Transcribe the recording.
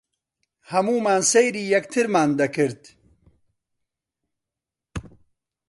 هەموومان سەیری یەکترمان کرد.